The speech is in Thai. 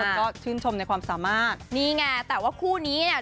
แล้วก็ชื่นชมในความสามารถนี่ไงแต่ว่าคู่นี้เนี่ย